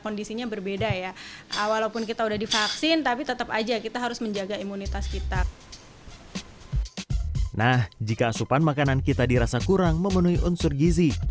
nah jika asupan makanan kita dirasa kurang memenuhi unsur gizi